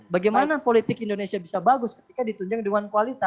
bagaimana politik indonesia bisa bagus ketika ditunjang dengan kualitas